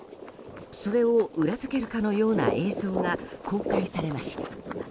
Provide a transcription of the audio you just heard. それを裏付けるかのような映像が公開されました。